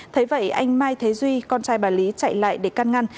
thế vậy anh mai thế duy con trai bà lý chạy lại để can ngăn